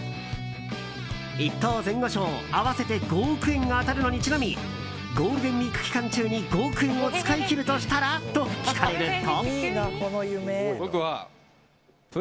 １等前後賞合わせて５億円が当たるのにちなみゴールデンウィーク期間中に５億円を使い切るとしたら？と聞かれると。